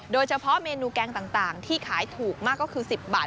โดยเฉพาะเมนูแกงต่างที่ขายถูกมากก็คือ๑๐บาท